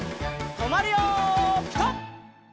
とまるよピタ！